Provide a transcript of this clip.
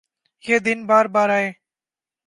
یہ دن بار بارآۓ